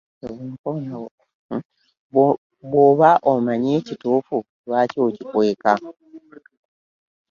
Bw'oba omanyi ekituufu lwaki okikweka?